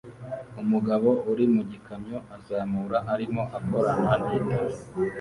Umugabo uri mu gikamyo azamura arimo akorana n’itara